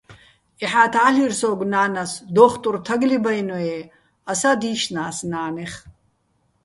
ეჰა́თ ა́ლირ სოგო̆ ნანას, დო́ხტურ თაგლიბ-ა́ჲნო̆-ე́ ასა́ დი́შნა́ს ნანეხ.